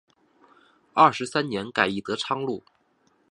二十三年改隶德昌路。